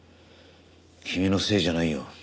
君のせいじゃないよ。